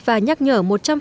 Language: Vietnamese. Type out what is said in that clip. và nhắc nhở một trăm linh